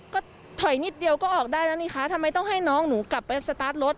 ก็ถอยนิดเดียวก็ออกได้แล้วนี่คะทำไมต้องให้น้องหนูกลับไปสตาร์ทรถ